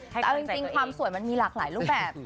แต่เอาจริงความสวยมันมีหลากหลายรูปแบบ